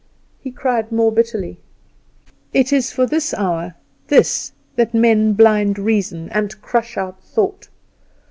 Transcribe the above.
He cried more bitterly: "It is for this hour this that men blind reason, and crush out thought!